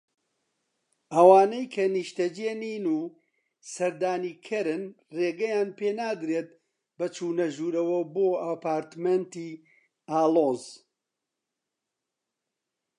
ئەوانەی کە نیشتەجی نین و سەردانیکەرن ڕێگەیان پێنادرێت بە چونەژورەوە بۆ ئەپارتمێنتی ئاڵۆز